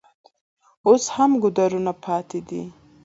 اوس هم ګودرونه پاتې دي.